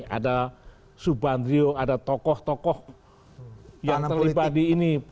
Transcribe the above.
ada subandrio ada tokoh tokoh yang terlibat di ini